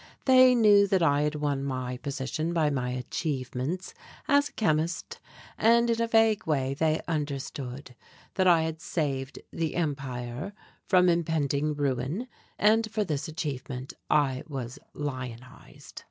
They knew that I had won my position by my achievements as a chemist and in a vague way they understood that I had saved the empire from impending ruin, and for this achievement I was lionized.